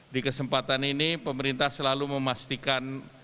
di kesempatan ini pemerintah selalu memastikan